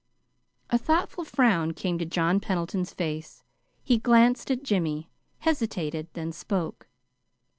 A thoughtful frown came to John Pendleton's face. He glanced at Jimmy, hesitated, then spoke.